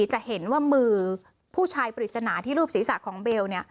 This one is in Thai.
จะเห็นว่ามือผู้ชายปริศนาที่รูปศีรษะของเบล